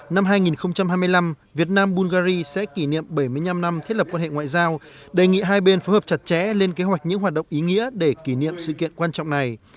năm hai nghìn hai mươi năm việt nam bulgari sẽ kỷ niệm bảy mươi năm năm thiết lập quan hệ ngoại giao đề nghị hai bên phối hợp chặt chẽ lên kế hoạch những hoạt động ý nghĩa để kỷ niệm sự kiện quan trọng này